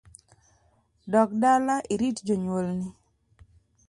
Dog dala irit jonyuol ni